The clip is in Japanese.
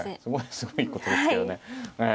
すごいことですけどねええ。